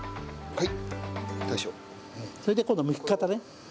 はい。